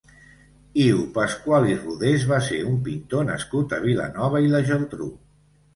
Iu Pascual i Rodés va ser un pintor nascut a Vilanova i la Geltrú.